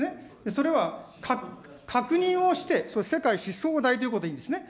それは確認をして、世界思想代ということでいいんですね。